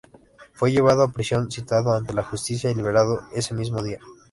Fue llevado a prisión, citado ante la justicia y liberado ese mismo día.